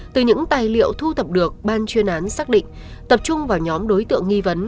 từ những tài liệu thu thập được ban chuyên án xác định tập trung vào nhóm đối tượng nghi vấn